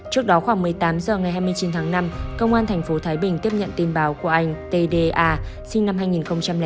trước đó khoảng một mươi tám h ngày hai mươi chín tháng năm công an tp thái bình tiếp nhận tin báo của anh tda sinh năm hai nghìn bốn